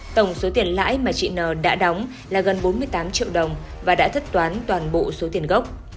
tổng số tiền lãi mà chị n đã đóng là gần bốn mươi tám triệu đồng và đã thất toán toàn bộ số tiền gốc